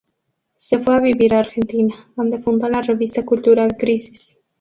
Se fue a vivir a Argentina, donde fundó la revista cultural "Crisis".